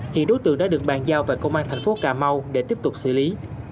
hiện đối tượng đã được bàn giao về công an thành phố cà mau để tiếp tục xử lý